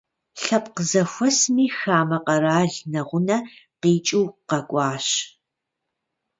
Лъэпкъ зэхуэсым хамэ къэрал нэгъунэ къикӏыу къэкӏуащ.